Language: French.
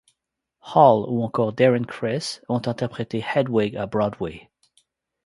Hall ou encore Darren Criss ont interprété Hedwig à Broadway.